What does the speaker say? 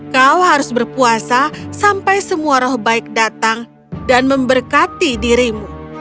kau harus berpuasa sampai semua roh baik datang dan memberkati dirimu